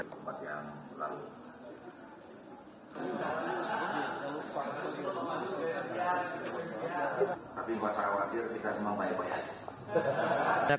tapi buat saya khawatir tidak memang banyak banyak